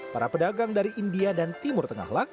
para pedagang dari india dan timur tengah lang